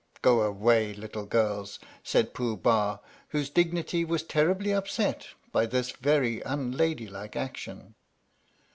"Go away, little girls," said Pooh Bah, whose dignity was terribly upset by this very unladylike action.